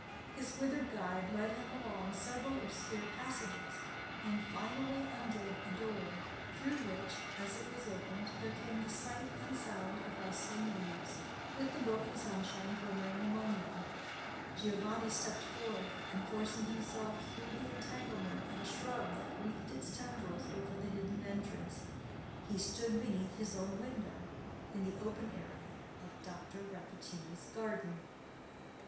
His withered guide led him along several obscure passages, and finally undid a door, through which, as it was opened, there came the sight and sound of rustling leaves, with the broken sunshine glimmering among them. Giovanni stepped forth, and, forcing himself through the entanglement of a shrub that wreathed its tendrils over the hidden entrance, stood beneath his own window in the open area of Dr. Rappaccini's garden.